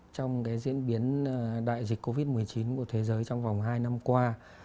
trong diễn biến đại dịch covid một mươi chín của thế giới trong vòng hai năm qua